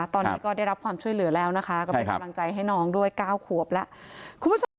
ตอนนี้ก็ได้รับความช่วยเหลือแล้วนะคะก็ไปกำลังใจให้น้องด้วย๙ขวบแล้ว